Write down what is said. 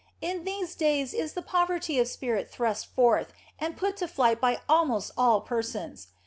In these days is poverty of spirit thrust forth and put to flight by almost all persons.